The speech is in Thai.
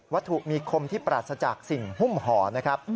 ถูกมีคมที่ปราศจากสิ่งหุ้มห่อนะครับ